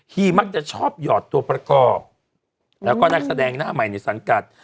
มักจะชอบหยอดตัวประกอบแล้วก็นักแสดงหน้าใหม่ในสังกัด